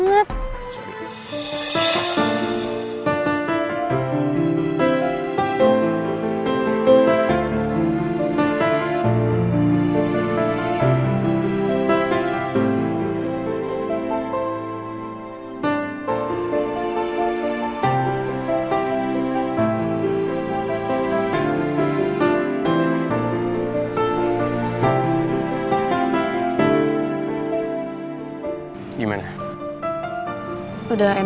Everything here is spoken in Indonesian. gak ada banget